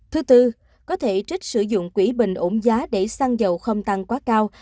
thứ tư có thể trích sử dụng quỹ bình ổn giá để xăng dầu không tăng quá cao